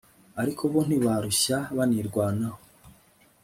ariko bo ntibarushya banirwanaho